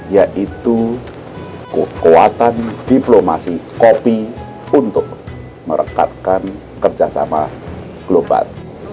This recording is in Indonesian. yaitu kekuatan diplomasi kopi untuk merekatkan kerjasama global